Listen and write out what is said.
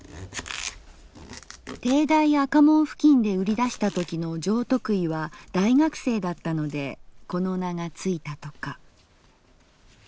「帝大赤門附近で売り出したときの上得意は大学生だったのでこの名がついたとか」。